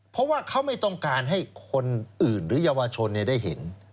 เพราะว่าเขาไม่ต้องการให้คนอื่นหรือเยาวชนได้เห็น